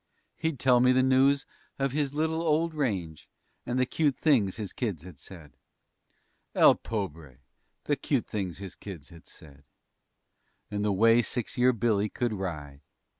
He'd tell me the news of his little old range And the cute things his kids had said! El pobre! the cute things his kids had said! And the way six year Billy could ride!